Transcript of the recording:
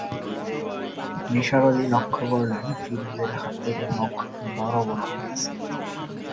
নিসার আলি লক্ষ করলেন, ফিরোজের হাতের নখ বড় বড় হয়েছে।